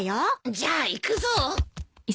じゃあ行くぞ。